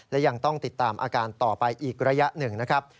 และยังต้องติดตามอาการต่อไปอีกระยะหนึ่งนะครับ